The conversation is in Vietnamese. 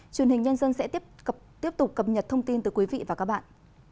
truyền hình nhân dân sẽ tiếp tục cập nhật thông tin từ quý vị và các bạn